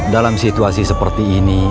dalam situasi seperti ini